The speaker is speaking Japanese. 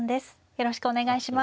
よろしくお願いします。